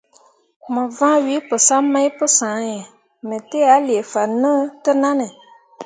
Mo vãã we pəsam mai pəsãhe, me tə a lee fan ne təʼnanne.